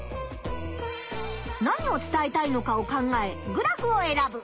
何を伝えたいのかを考えグラフを選ぶ。